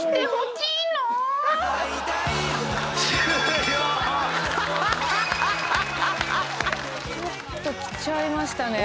ちょっときちゃいましたね